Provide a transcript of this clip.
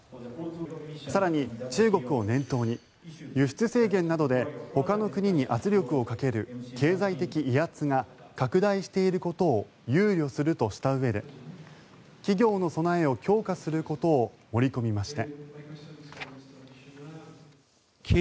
更に、中国を念頭に輸出制限などでほかの国に圧力をかける経済的威圧が拡大していることを憂慮するとしたうえで企業の備えを強化することを盛り込みました。